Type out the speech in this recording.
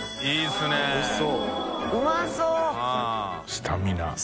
「スタミナ」